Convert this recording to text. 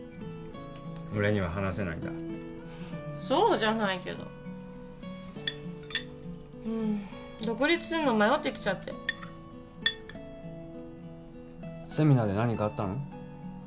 俺には話せないんだそうじゃないけどうん独立するの迷ってきちゃってセミナーで何かあったの？